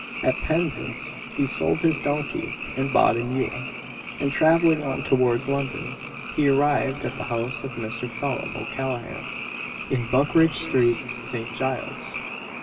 At Penzance he sold his donkey and bought a mule; and, travelling on towards London, he arrived at the house of Mr. Phelim O'Callaghan, in Buckeridge street, St. Giles's.